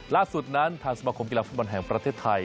ล่าสุดนั้นทางสมาคมกีฬาฟุตบอลแห่งประเทศไทย